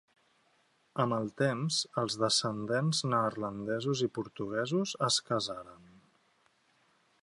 Amb el temps, els descendents neerlandesos i portuguesos es casaren.